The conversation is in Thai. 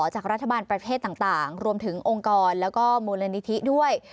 จากรัฐบาลประเทศต่างรวมถึงองค์กรแล้วก็มูลนิธิด้วย